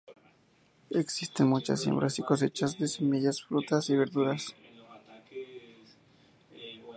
Existen muchas siembras y cosechas de semillas, frutas y verduras.